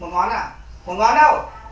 một ngón à